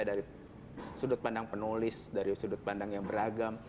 dari sudut pandang penulis dari sudut pandang yang beragam